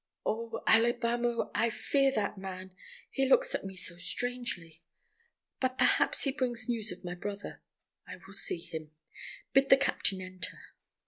"Oh, Alibamo, I fear that man; he looks at me so strangely. But perhaps he brings news of my brother. I will see him. Bid the captain enter."